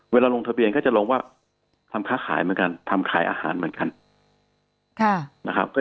ลงทะเบียนก็จะลงว่าทำค้าขายเหมือนกันทำขายอาหารเหมือนกันนะครับ